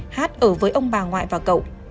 h ở với ông bà ngoại và cậu